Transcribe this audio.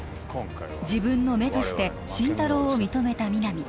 自分の目として心太朗を認めた皆実